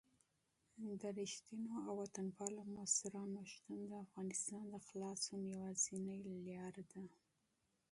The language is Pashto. د صادقو او وطن پالو مشرانو شتون د افغانستان د خلاصون یوازینۍ لاره ده.